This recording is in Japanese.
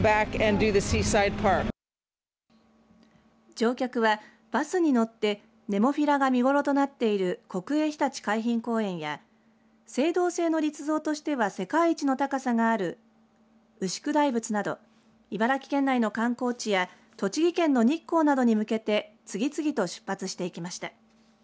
乗客はバスに乗ってネモフィラが見頃となっている国営ひたち海浜公園や青銅製の立像としては世界一の高さがある牛久大仏など茨城県内の観光地や栃木県の日光などに向けて次々と出発していきました。